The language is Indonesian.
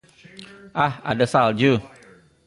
Ah, ada salju!